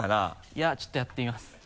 いやちょっとやってみます。